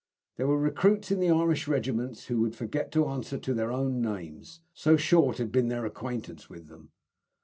There were recruits in the Irish regiments who would forget to answer to their own names, so short had been their acquaintance with them.